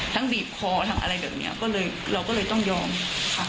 ทั้งบีบคอทั้งอะไรแบบนี้เราก็เลยต้องยอมค่ะ